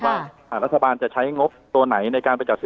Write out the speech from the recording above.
ว่ารัฐบาลจะใช้งบตัวไหนในการไปจัดซื้อ